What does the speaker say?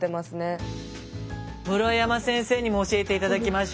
室山先生にも教えて頂きましょう。